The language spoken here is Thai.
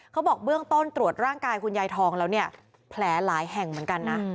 เขาบอกเบื้องต้นตรวจร่างกายคุณยายทองแล้วเนี่ยแผลหลายแห่งเหมือนกันนะ